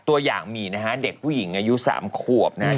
ตัวอย่างมีนะฮะเด็กผู้หญิงอายุ๓ขวบนะฮะ